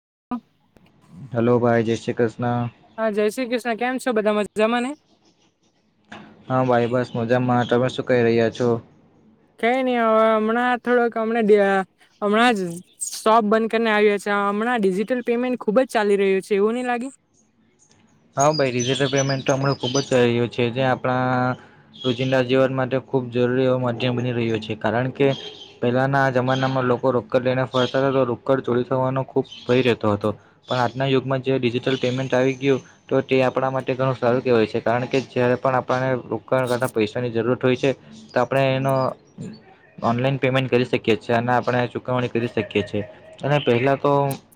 [inaudible] Hello ભાઈ જય શ્રી કૃષ્ણ. હા જય શ્રી કૃષ્ણ કેમ છો બધા મજામાંને. હા ભાઈ બસ મજામાં તમે શું કહી રહ્યા છો. કઈ નહી હવે હમણાં થોડોક હમણા હમણાં જ શોપ બંધ કરીને આવીએ છે. હમણાં ડિજિટલ પેમેન્ટ ખુબ જ ચાલી રહ્યું છે એવું નહી લાગયુ. હા ભાઈ ડિજિટલ પેમેન્ટ તો હમણા ખૂબ જ ચારી રહ્યું છે જે આપણા રોજિંદા જીવન માટે. ખૂબ જરૂરી એ મધ્યમ બની રહ્યો છે કારણ કે પહેલાંના જમાનામાં લોકો રોકડ લઈને ફરતા. રોકડ ચોરી થવાનો ખૂબ ભય રહેતો હતો પણ આજના યુગમાં જે ડિજિટલ પેમેન્ટ આવી ગયું. તો તે આપણા માટે ઘણું સારું કહેવાય છે કારણ કે જ્યારે પણ આપણને રોકાણ કરતાં પૈસાની જરૂરત હોય છે. તો આપણે એનો. ઓનલાઈન પેમેન્ટ કરી શકીએ છે અને આપણે ચુકવણી કરી શકીએ છીએ અને પહેલા તો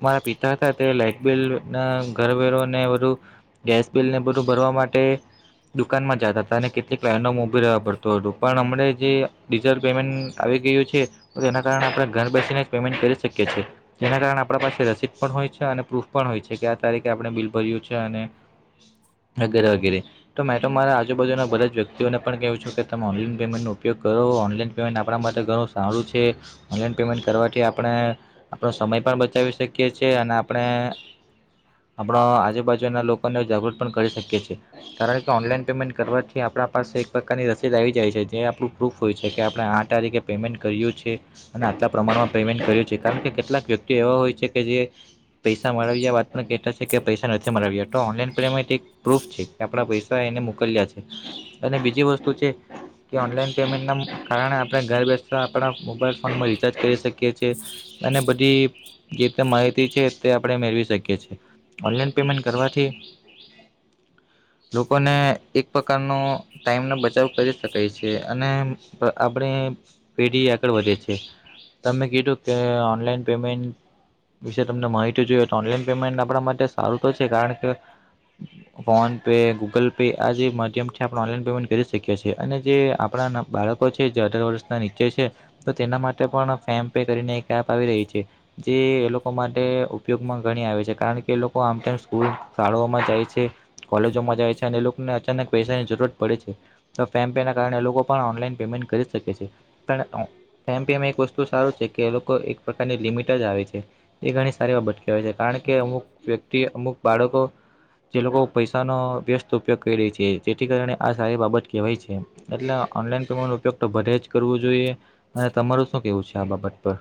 મારા. પિતા હતા તે લાઈટબલ ના ઘર વરોને વધુ. ગેસ બિલ ને બધું ભરવા માટે. દુકાનમાં જતા હતા અને કેટલીકવાર મોબાઇલ વાપરતો હતો પણ અમને જેિટલ પેમેન્ટ. ગયું છે તેના કારણે આપણે ઘર બેસીને જ પેમેન્ટ કરી શકીએ છીએ જેના કારણે આપણા પાસે રસીદ પણ હોય. છે અને પ્રૂફ પણ હોય છે કે આ તારીખે આપણે બિલ ભર્યું છે અને. [inaudible] વગેરે વગેરે તો મે તો મારા આજુબાુના બધા જ વ્યક્તિઓને પણ કહેવું છે કે તમે ઓનલાઈન પેમેન્ટનો ઉપયોગ કરો. ઓનલાઈન પેમેન્ટ આપણા માટે ઘણું સારું છે ઓનલાઈન પેમેન્ટ કરવાથી આપણે આપણો સમય પણ. બાચાવી શકી છે અને આપણે આપણા આજુબાજુના લોકો. અને જાગૃત પણ કરી શકે છેએ કારણ કે ઓનલાઈન પેમેન્ટ કરવાથી આપણા પાસે એક પ્રકારની રસીદ આવી જાય છે. જે આપણું પ્રૂફ હોય છે કે આપણે આ તારીખે પેમેન્ટ કર્યું છે અને આટલા પ્રમાણમાં પેમેન્ટ કર્યું છે કારણ. કેટલાક વ્યક્તિઓ એવા હોય છે કે જે પૈસા માળવ્યા વાતને કહેતા છે કે પૈસા નથી મળવ્યા. તો ઓનલાઈન પેમેન્ટ એક પ્રૂફ છે કે આપણા પૈસા એને મોકલ્યા છે અને બીજી વસ્તુ છે. કે ઓનલાઈન પેમેન્ટના કારણે આપણે ઘર બેસતા આપણા મોબાઈલ ફોનમાં રિચાર્જ કરી શકીએ છીએ. અને બધી જે માહિતી છે તે આપણે મેળવી શકી છીએ ઓનલાઈન પેમેન્ટ કરવા. પી. [inaudible] લોકોને એક પ્રકારનો ટાઈમ નો બચાવ કરી શકાય છે અને આપણે. પેઢી આગળ વધે છે તમે કીધું કે ઓનલાન પેમેન્ટ. વિશે તમને માહિતી જોયએ તો ઓનલાઈન પેમેન્ટ આપણા માટે સારું તો છે કારણ કે. ફોન પે ગૂગલ પે આ જે માધ્યમથી આપણે ઓનલાઈન પેમેન્ટ કરી શકીએ છીએ અને જે આપણા બાળક. પછી ચાર ચાર વર્ષ નીચે છે તો તેમના માટે પણ ફેપે કરીને એક એપ આવી રહી છે. જે એ લોકો માટે ઉપયોગમાં ગણી આવે છે કારણ કે એ લોકો આમ તે સ્કૂલ. શાળાઓમાં જાય છે કોલેજોમાં જાય છે અને લોકોને અચાનક પૈસાની જરૂરત પડે છે તો ફેમ પે. કારણે એ લોકો પણ ઓનલાઈન પેમેન્ટ કરી શકે છે પણ ફેમ પે વસ્તુ સારું છે કે લોકો એ. પ્રકારની લિમિટ જ આવે છે એ ઘણી સારી એ વાર અટકીવા છે કારણ કે અમુક વ્યક્તિ અમુક બાળકો. [inaudible] જે લોકો પૈસાનો વ્યસ્ત ઉપયોગ કરી રે છે જેથી કારણે આ સારી બાબત કહેવાય છે એટલે. જ્ઞાન ઉપયોગ તો ભલે જ કરવો જોઈએ અને તમારું શું કેવું છે આ બાબત પર.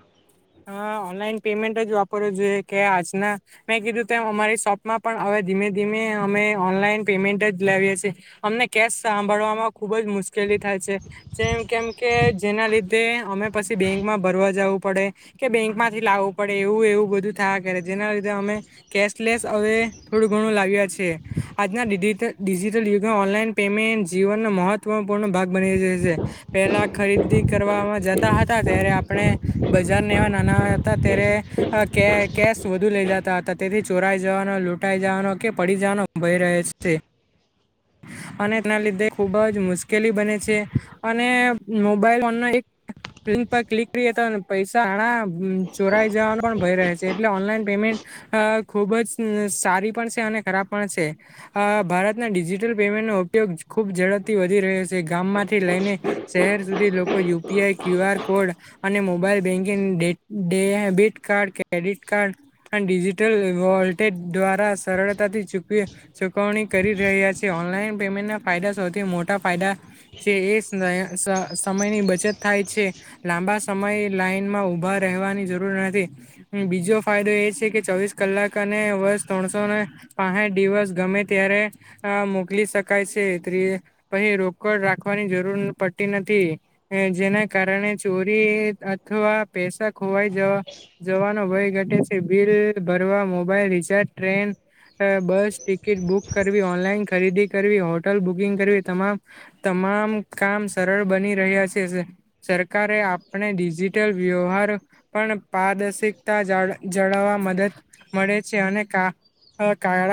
હ ઓનલાઈન પેમેન્ટ જ વાપરવ જોઈએ કે આજના મેં કીધું તેમ અમારી શોપમાં પણ આવે. ધીમે ધીમે અમે ઓનલાઈન પેમેન્ટ જ લાવએ છીએ અમને કેશ સાંભળવામાં ખુબ જ મુશ્કેલ. કવિ તા છે જેમ કેમ કે જેના લીધે અમે પછી બેંકમાં ભરવા જવું પડે. કે બેંક માંથી લાવવું પડે એવું એવું બધું થાય કરે જેના લીધે અમે કેશલેસ હવે થોડું. લાવ્યા છે આજના ડિજિટલ યુગમાં ઓનલાઈન પેમેન્ટ જીવનનો મહત્વપૂર્ણ ભાગ. બની રહે છે પેલા ખરીદી કરવાવામાં જતા હતા ત્યારે આપણે બજાર. ને એવા નાના હતા ત્યારે કયા કયા સોધુ લઈ જતા હતા તેથી ચોરા. જવાનો લૂંટાઈ જવાનો કે પડી જવાનો ભય રહે છે. અને તેના લીધે ખુબ જ મુશ્કેલી બને છે અને મોબાઈલ એક. પ્રિ પર ક્લિક કરીએ તો પૈસા હણા. ચોરાઈ જવાનો પણ ભય રહે છે એટલે ઓનલાઈન પેમેન્ટ અ. ખૂબ જ સારી પણ છે અને ખરાબ પણ છે અ ભારતના ડિજિટલ પેમેન્ટનો ઉપયોગ. ખુબ ઝડપથી વધી રહે છે. ગામમાંથી લઈને શહેર સુધી લોકો યુપીઆઈ ક્યુ આર કોડ અને mobile banking. Debit card credit card અને ડિજિટલ વોલેટ દ્વારા. સરળતાથી ચુકવણી કરી રહ્યા છે ઓનલાઇન પેમેન્ટના ફાયદા સૌથી મોટા ફાયદા. એ સમયની બચત થાય છે લાંબા સમય લઇન. માં ઉભા રહેવાની જરૂર નથી બીજો ફાયદો એ છે કે ચોવીસ કલાક અને વર્ષ ત્રણ. ોને પા દિવસ ગમે ત્યારે મોકલી શકાય છે પહી. રોકડ રાખવાની જરૂર પડતી નથી જેના કારણે ચોરી. થ આ પેસા ખોવાઈ જઓ. જવાનો ભય ઘટે છે બિલ ભરવા mobile recharge train. Bus ticket book કરવી ઓનલાઈન ખરીદી કરવી હોટલ બુકિંગ કરવી તમામ તમા. તમા કામ સરળ બની રહ્યા છે સરકારે આપણે. વ્યવહાર પણ પારદર્શકતા જાળવવા મદદ મળે છે અને. હા કળ.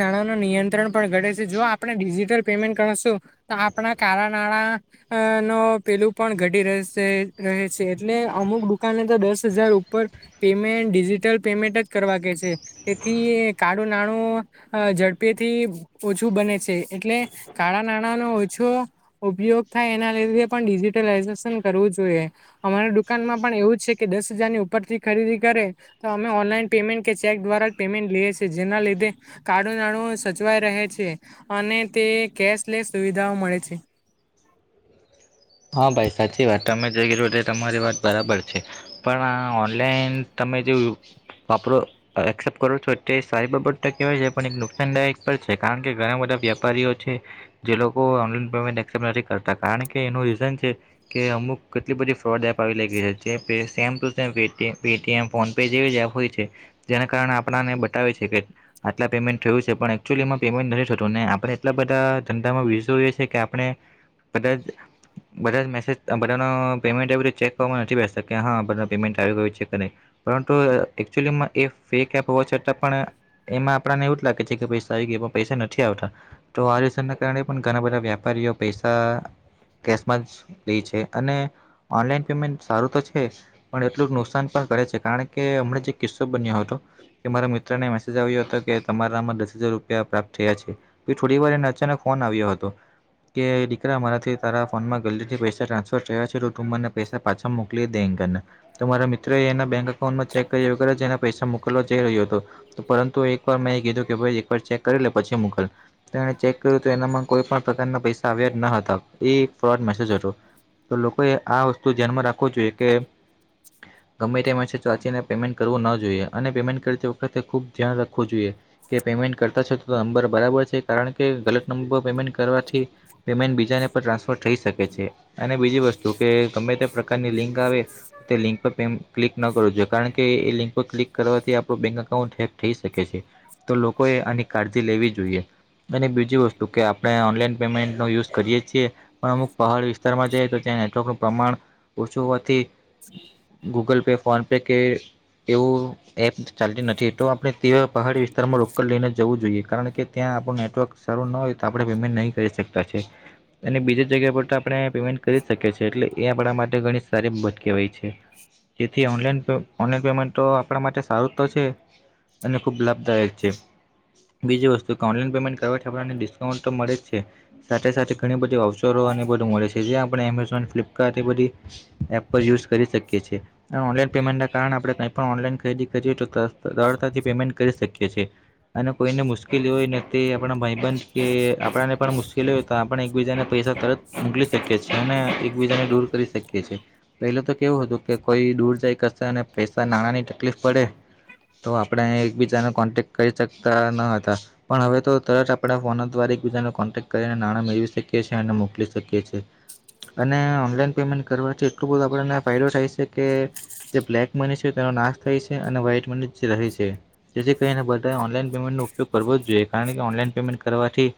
નાણાં ન નિયંત્રણ પણ ઘટે છે જો આપણે ડિજિટલ પેમેન્ટ કરશું તો આપણા કા નાણાં. અ નો પેલું પણ ઘડી રહેશે. રહે છે એટલે અમુક દુકાને તો દસ હજાર ઉપર પેમેન્ટ ડિજિટલ પેમેન્ટ જ કરવા કે છે. તેથી કાળો નાણો ઝડપેથી ઓછું બને છે એટલે. કાળા નાણાંનોો ઓછો ઉપયોગ થાય એના લીધે પણ ડિજીિટલાઈઝેશન કરવું જોઈએ. અમારા દુકાનમાં પણ એવું જ છે કે દસ હજારની ઉપર થી ખરીદી કરે તો અમે ઓનલાઈન પેમેન્ટ કે ચેક. દ્વારા પેમેન્ટ લઈ છે જેના લીધે કાળુ નાણું સચવાઈ રહે છે અને તે. કેશલેસ સુવિધાઓ મળે છે. હા ભાઈ સાચી વાત તમે જ તમારી વાત બરાબર છે પણ આ ઓનલાઈન. સમમેજવું [inaudible] પરો એક્સેપ્ટ કરો છો તે સારી બાબર કહેવાય છે પણ એક નુકસાનદાયક પર છે કારણ કે ઘણાધા. વેપારીઓ છે જે લોકો ઓનલા પેમેન્ટ નથી કરતા કારણ કે એ. કે અમુક કેટલી બધ ફ્રો. ફોન પે જેવી જ એપ હોય છે જેના કારણે આપણાને બતાવે છે કે આટલા પેમેન્ટ થયું છે પણ એચુઅલી એમાં. પેન્ટ નથી થતું આપણે એટલા બધા ધંધામાં વિસ છે કે આપણે બધા. બધા મેસેજ બધાનો પેમેન્ટ એ બધ ચેક કરવામાં નથી બેતા હા બધા પેમેન્ટ આવ ગ ચેક કરી. પરંતુ એકક્ચુઅલીમાં એ ફેક એપ હોવા છતાં પણ એમાં આપણને એવું જ લાગે છે કે પૈસા આવી ગયો. પ નથી આવતા કાર ઘણા બધા વેપારીઓ પૈસા. [unintelligible] છે. અને ઓનલાઈન પેમેન્ટ સારું તો છે પણ એટલું નુકસાન પણ કરે છે. કારણ કે હમણા જ એક કિસ્સો બન્યો હતો કે મારા મિત્રને મેસેજ આવ્યો હતો, કે તમારામાં દસ હજાર રૂપિયા પ્રાપ્ત થયા છે. પહી થોડીવાર એને અચાક ફોન આવ્યો હતો. કે દીકરા મારાથી તારા ફોનમાં ગલતીથી પૈસા ટ્રાન્સફર થયા છે. તો તું મને પેસા પાછા મોકલી દે. ઈંન કરીને તો મારા મિત્રો એના બેંક અકાઉન્ટમાં ચેક કર્યા વગર જ એના પૈસા મોકલવા જઈ રહ્યો હતો. પરંતુ એકવાર મેં કીધું કે ભઈ એકવાર ચે કરી પછી મોકલ. તો એણે ચેક કર્યું તો એનામાં કોઈ પણ પ્રકારના પૈસા આવ્યા જ ન હતા. એ ફ્રોડ મેસેજ હતો. તો લોકોએ આ વસ્તુ ધ્યાનમાં રાખવો જોઈએ કે ગમે તે મેસેજ વાંચીને પેમેન્ટ કરવું ન જોઈએ. અને પેમેન્ટ કરતી વખતે ખૂબ ધ્યાન રાખવું જોઈએ. કે પેમેન્ટ કરતા છો તો નંબર બરાબર છે. કારણ કે ગલત નંબર પેમેન્ટ કરવાથી પેમેન્ટ બીજ જાને પણ ટ્રાન્સફર થઈ શકે છે. અને બીજી વસ્તુ કે ગમે પ્રકારની લિંક આવે તે લિંક પર પેમ ક્લિક ન કરવુ જોઈએ. કારણ કે એ લિંક પર ક્લિક કરવાથી આપડુ બેંક અકાઉન્ટ હેક થઈ શકે છે. તો લોકોએ આની કાળજી લેવી જોઈએ. અને બીજી વસ્તુ કે આપણે ઓનલાઈન પેમેન્ટનો યુઝ કરીએ છીએ પણ અમુક પહાડ વિસ્તારમાં જઈ તો ત્યાં નેટવર્કનું પ્રમાણ ઓછું હોવાથી ગૂગલ પે, ફોન પે કે એવું એપ ચાલતી નથી. તો આપડે તે પહાડી વિસ્તારમાં રોકડ લઈને જવું જોઈએ. કારણ કે ત્યાં આપડુ નેટવર્ક શરુ ન હોય તો આપડે પેમેન્ટ નઈ કરી શકતા છીએ. અને બીજુ જગ્યા પર તો આપણે પેમેન્ટ કરી શકીએ છીએ એટલે એ આપડા માટે ઘણી સારી બત કહેવાય છે. જેથી ઓનલાન પે ઓનલાઈન પેમેન્ટ તો આપણા માટે સારું તો છે. અને ખુબ લાભ દાયક છેે. બીજી વસ્તુ કે ઓનલાઈન પેમેન્ટ કરવાથી આપડાને ડિસ્કાઉન્ટ તો મળે જ છે. સાથે સાથે ઘણી બધી અવસરોને બધું મળે છે જે આપડે એમેઝોન, ફ્લિપકાર્ટ તે બધી એપ પર યુઝ કરી શકીએ છીએ. અન ઓનલાઈન પેમેન્ટના કારણે આપણે કઈ પણ ઓનલાઈન ખરીદી કરીયુ તો રળતાથી પેમેન્ટ કરી શકીએ છે. અને કોઈને મુશ્કેલી હોયને તે આપણા ભાઈબંધ કે આપડાને પણ મુશ્કેલી હોય તો આપણે એકબીજાને પૈસા તરત મોકલી શકીએ છે. અને એકબીજાને દૂર કરી શકીએ છે. પહેલા તો કેવું હતું કે કોઈ દૂર જાય કશા ને પૈસા-નાણાંની તકલીફ પડે તો આપડે એકબીજાનો કોન્ટેક કરી શકતા ન હતા. પણ હવે તો તરત આપડે ફોન દ્વાર એકબીજાને કોન્ટેક્ટ કરીને નાણાં મેળવી શકીએ છે અને મોકલી શકીએ છે. અને ઓનલાઈન પેમેન્ટ કરવાથી એટલુ બધું આપડાને ફાયદો થાય છે કે જે બ્લેક મની છે તેનો નાશ થાય છે. અને વાઇટ મની જ રહે છે જેથી કરીને બધાએ ઓનલાઈન પેમેન્ટનો ઉપયોગ કરવો જ જોઈએ. કારણ કે ઓનલાઈન પેમેન્ટ કરવાથી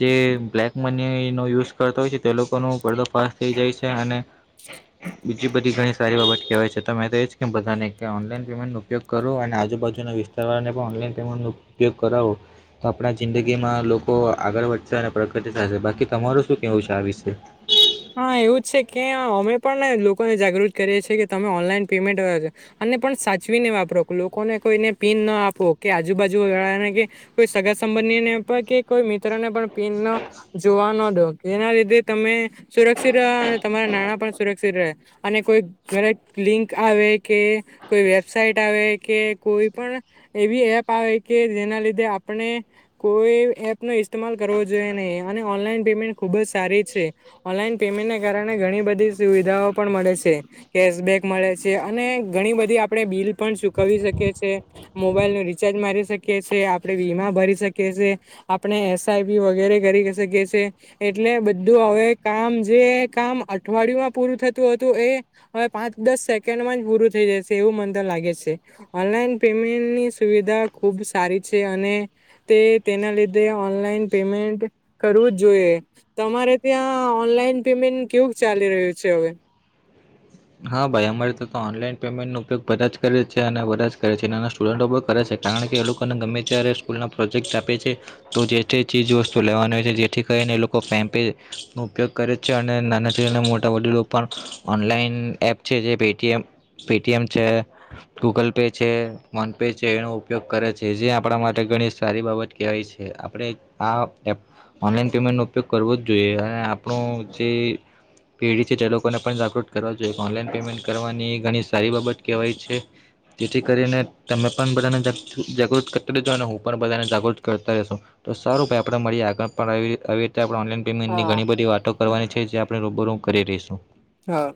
જે બ્લેક મનીનો યુઝ કરતો હોય છે તે લોકોનો પડદો ફાસ થઈ જાય છે અને બીજી બધી ઘણી સારી બાબત કહેવાય છે. તો મે તો એજ કેવ બધાને કે ઓનલાઈન પેમેન્ટનો ઉપયોગ કરો આજુબાજુના વિસ્તાર વારાને પણ ઓનલાઈન પેમેન્ટનો ઉપયોગ કરાવો. તો આપડા જિંદગીમાં લોકો આગળ વધશે અને પ્રગતી થાશે. બાકી તમારું શું કહેવું છે આ વિશે? હા, એવું જ છે કે અમે પણ લોકોને જાગૃત કરીએ છીએ કે તમે ઓનલાઈન પેમેન્ટ જ ને પણ સાચવીને વાપરો. લોકોને કોઈને પીન ન આપો કે આજુ-બાજુવાળાને કે કોઈ સગા બંધી ને પર કે કોઈ મિત્રને પણ પીન ન જોવા ન દો. એના લીધે તમે સુરક્ષિત રો અને તમારા નાણાં પણ સુરક્ષિત રહે અને કોઈ ઘરે લિંક આવે કે કોઈ વેબસઇટ આવે કે કોઈ પણ એવી એપ આવે કે જેના લીધે આપણે કોઈ એપનો ઇસ્તમાલ કરવો જોઈએ નઈ. અને ઓનલાઈન પેમેન્ટ ખુબ જ સારી છે ઓનલાઈન પેમેન્ટને કારણે ઘણી બધી સુવિધાઓ પણ મળે છે. કેશબેક મળે છે. અને ઘણી બધી આપડે બિલ પણ ચૂકવી શકીએ છીએ. મોબાઈલનું રિચાર્જ મારી શકીએ છીએ. આપડે વીમા ભરી શકીએ છે. આપણે એસ આઈ પી વગેરે કરી શકીયે છે. એટલે બધું હવે કામ જે કામ અઠવાડિયુમાં પૂરું થતું હતું એ હવે પાંચ-દસ સેકન્ડમાં જ પૂરું થય થય જાય છે એવું મન તો લાગે છે. ઓનલાઈન પેમેન્ટની સુવિધા ખુબ સારી છે અને તે તેના લીધે ઓનલાઈન પેમેન્ટ કરવું જ જોઈએ. તમારે ત્યાં ઓનલાઈન પેમેન્ટ કેવુ ચાલી રહ્યું છે હવે? હા ભાઈ અમારે તા તો ઓનલાઈન પેમેન્ટ નો ઉપયોગ બધા જ કરે છે અને બધા જ કરે છે નાના સ્ટુડન્ટો પણ કરે છે. કારણ કે એ લોકોને ગમે ત્યારે સ્કૂલના પ્રોજેક્ટ આપે છે તો જે તે ચીજવસ્તુ લેવાની હોય છે જેથી કરી એ લોકો ફેમ પેનો ઉપયોગ કરે છે અને નાનાથીના મોટા વડીલો પણ ઓનલાઈન એપ છે જે પેટીએમ પેટીએમ છે ગૂગલ પે છે ફોનપે છે એનો ઉપયોગ કરે છે. જે આપણા માટે ઘણી સારી બાબત કહેવાય છે. આપણે આ ખપ ઓનલાઈન પેમેન્ટ ઉપયોગ કરવો જ જોઈએ અને આપણું જે પેઢી છે તે લોકોને પણ જાગૃત કરવા જોઈએ ઓનલાઈન પેમેન્ટ કરવાની ઘણી સારી બાબત કહેવાય છે. જેથી કરીને તમે પણ બધાને જા જાગૃત કરતા રહેજો અને હું પણ બધાને જાગૃત કરતા રહસુ. તો સારું ભાઈ આપણે મળીએ આગળ પણ આવી આવી રીતે ઓનલાઈન પેમેન્ટની હા ઘણી બધી વાતો કરવાની છે જે આપણે રૂબરુ કરી રહીશું. હા.